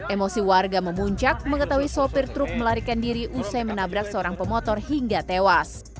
emosi warga memuncak mengetahui sopir truk melarikan diri usai menabrak seorang pemotor hingga tewas